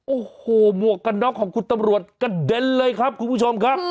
โอ้โหหมวกกันน็อกของคุณตำรวจกระเด็นเลยครับคุณผู้ชมครับ